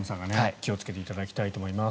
気をつけていただきたいと思います。